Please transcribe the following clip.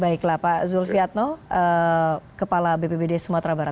baiklah pak zulfi adno kepala bpbd sumatera barat